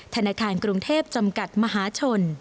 ธนาคารกรุงเทพจำกัดมหาชน